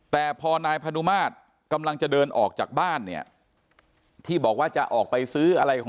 แต่พอนายพนุมาตรกำลังจะเดินออกจากบ้านเนี่ยที่บอกว่าจะออกไปซื้ออะไรของ